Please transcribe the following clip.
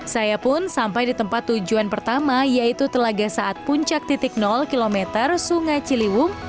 saya pun sampai di tempat tujuan pertama yaitu telaga saat puncak km sungai ciliwung